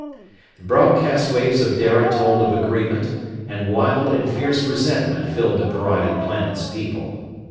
The broadcast waves of Dara told of agreement, and wild and fierce resentment filled the pariah planet's people.